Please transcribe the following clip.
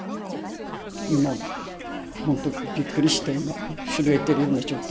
今、本当びっくりして、震えてるような状態。